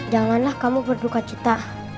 janganlah kamu berduka cita